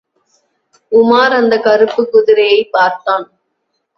உமார் அந்தக் கருப்புக் குதிரையைப் பார்த்தான்.